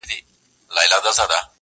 • بيا دادی پخلا سوه ،چي ستا سومه.